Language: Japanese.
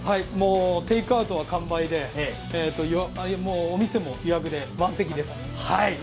テイクアウトは完売でお店も予約で満席です。